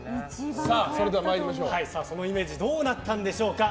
そのイメージどうなったんでしょか。